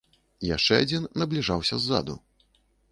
Яшчэ адзін набліжаўся ззаду.